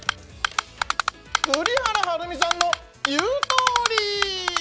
栗原はるみさんの言うとおり。